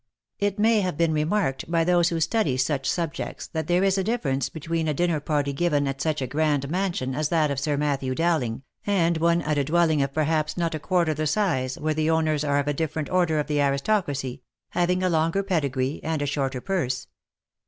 It may have been remarked by those who study such subjects, that there is a difference between a dinner party given at such a grand mansion as that of Sir Matthew Dowling, and one at a dwell ing of perhaps not a quarter the size, where the owners are of a dif ferent order of the aristocracy, having a longer pedigree, and a shorter purse.